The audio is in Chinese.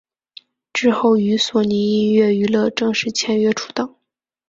之后与索尼音乐娱乐正式签约出道。